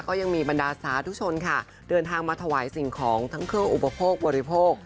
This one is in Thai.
ก็ยังมีบรรดาสาธุชนค่ะเดินทางมาถวายสิ่งของทั้งเครื่องอุปโภคบริโภค